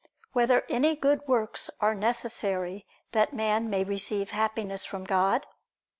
7] Whether Any Good Works Are Necessary That Man May Receive Happiness from God?